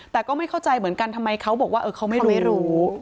แต่ก็ไม่เข้าใจเหมือนกันทำไมเขาบอกว่าเขาไม่รู้